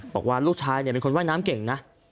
บอกว่าลูกชายเป็นคนว่ายน้ำเก่งนะ